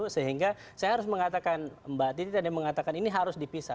sehingga saya harus mengatakan mbak titi tadi mengatakan ini harus dipisah